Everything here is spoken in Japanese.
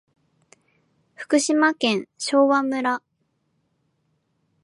福島県昭和村